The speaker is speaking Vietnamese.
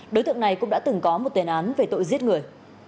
đối tượng này cũng đã từng có một tên án về tội giết người